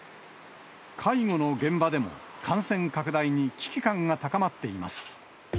介護の現場でも、感染拡大に危機感が高まっています。